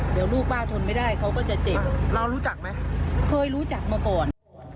เดี๋ยวลูกป้าทนไม่ได้เขาก็จะเจ็บเรารู้จักไหมเคยรู้จักมาก่อน